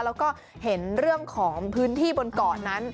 แล้วก็เห็นเรื่องของพื้นที่บนเกาะนั้น